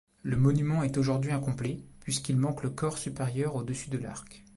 Le monument est aujourd'hui incomplet, puisqu'il manque le corps supérieur au-dessus de l'arc.